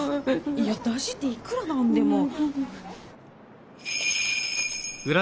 いや「なし」っていくらなんでも。